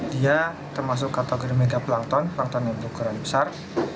dia termasuk kategori megaplankton plankton yang berukuran besar